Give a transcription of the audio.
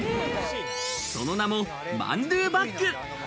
その名もマンドゥバッグ。